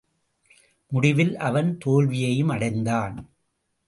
முடிவில் அவன் தோல்வியையும் அடைந்தான்.